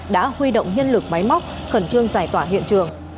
đã huy động nhân lực máy móc khẩn trương giải tỏa hiện trường